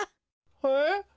えっ？